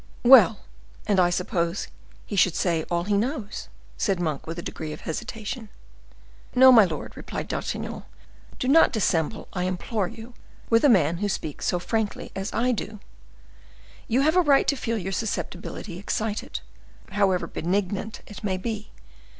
"Well! and suppose he should say all he knows?" said Monk, with a degree of hesitation. "My lord," replied D'Artagnan, "do not dissemble, I implore you, with a man who speaks so frankly as I do. You have a right to feel your susceptibility excited, however benignant it may be.